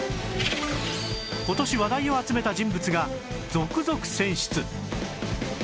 今年話題を集めた人物が続々選出